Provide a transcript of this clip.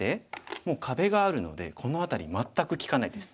もう壁があるのでこの辺り全く利かないです。